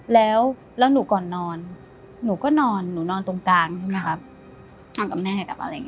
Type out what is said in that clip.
แล้วหนูก่อนนอนหนูก็นอนตรงกลางใช่ไหมค่ะ